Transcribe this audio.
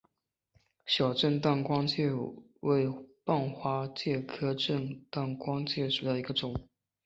小震旦光介为半花介科震旦光介属下的一个种。